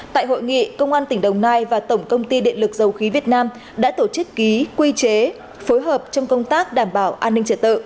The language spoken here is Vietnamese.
tại hội nghị công an tỉnh đồng nai và tổng công ty điện lực dầu khí việt nam đã tổ chức ký quy chế phối hợp trong công tác đảm bảo an ninh trật tự